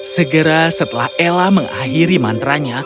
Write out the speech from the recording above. segera setelah ella mengakhiri mantra nya